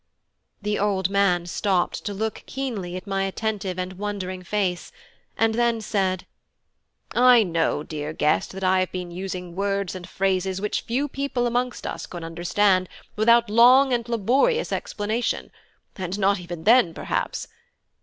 The old man stopped to look keenly at my attentive and wondering face; and then said: "I know, dear guest, that I have been using words and phrases which few people amongst us could understand without long and laborious explanation; and not even then perhaps.